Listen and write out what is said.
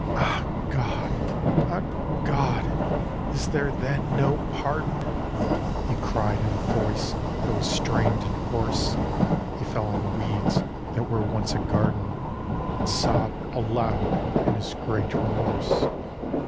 'Ah, God! Ah, God! is there then no pardon?' He cried in a voice that was strained and hoarse; He fell on the weeds that were once a garden, And sobbed aloud in his great remorse.